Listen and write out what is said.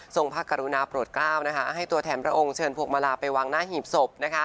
พระกรุณาโปรดก้าวให้ตัวแถมพระองค์เชิญพวงมาลาไปวางหน้าหีบศพ